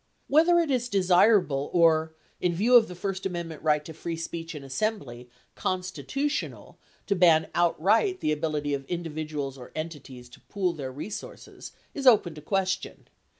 Whether it is desirable or, in view of the first amendment right to free speech and assembly, constitutional to ban outright the ability of in dividuals or entities to pool their resources is open to question.